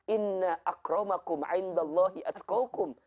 inna akromakum aindallahi atsukawkum